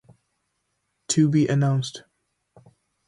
To be announced.